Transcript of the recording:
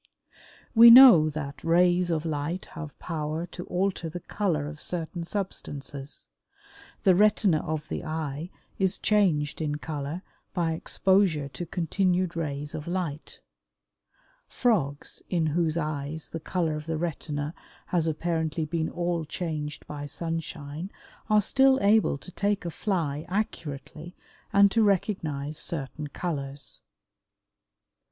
We know that rays of light have power to alter the color of certain substances. The retina of the eye is changed in color by exposure to continued rays of light. Frogs in whose eyes the color of the retina has apparently been all changed by sunshine are still able to take a fly accurately and to recognize certain colors.